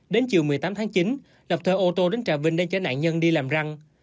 đến chiều một mươi tám tháng chín lập thơ ô tô đến trà vinh để chở nạn nhân đi làm răng